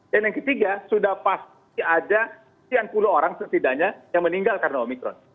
dan yang ketiga sudah pasti ada sepuluh orang setidaknya yang meninggal karena omikron